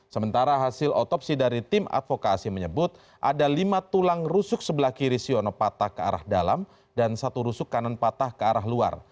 sementara hasil otopsi dari tim advokasi menyebut ada lima tulang rusuk sebelah kiri siono patah ke arah dalam dan satu rusuk kanan patah ke arah luar